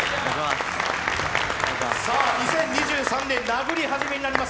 さあ２０２３年、殴り始めになります。